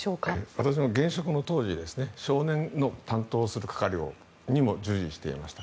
私も現職の当時少年の係にも従事をしていました。